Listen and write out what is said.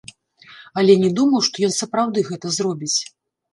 Але не думаў, што ён сапраўды гэта зробіць.